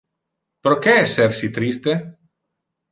Proque esser si triste?